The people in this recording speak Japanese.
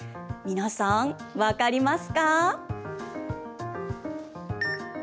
皆さん、分かりますか？